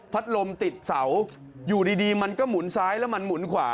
ลมติดเสาอยู่ดีมันก็หมุนซ้ายแล้วมันหมุนขวา